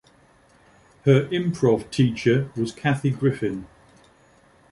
Her improv teacher was Kathy Griffin.